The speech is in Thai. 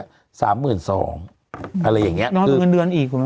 อะไรอย่างนี้